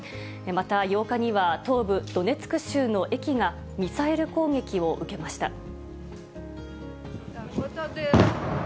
また８日には、東部ドネツク州の駅が、ミサイル攻撃を受けました。